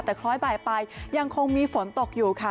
แต่คล้อยบ่ายไปยังคงมีฝนตกอยู่ค่ะ